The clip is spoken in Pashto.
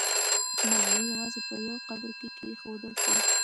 ملالۍ یوازې په یو قبر کې کښېښودل سوه.